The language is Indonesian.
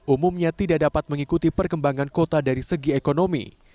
umumnya tidak dapat mengikuti perkembangan kota dari segi ekonomi